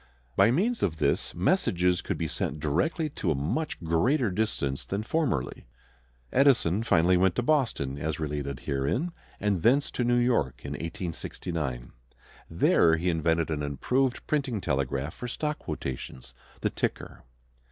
By means of this messages could be sent direct to a much greater distance than formerly. Edison finally went to Boston, as related herein, and thence to New York, in 1869. There he invented an improved printing telegraph for stock quotations, the ticker.